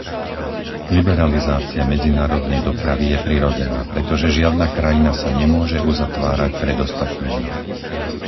Liberalizácia medzinárodnej dopravy je prirodzená, pretože žiadna krajina sa nemôže uzatvárať pred ostatnými.